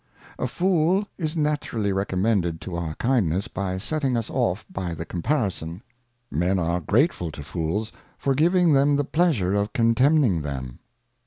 A Fool is naturally recommended to our Kindness by setting us off by the Comparison. Men are grateful to Fools for giving them the Pleasure of contemning them.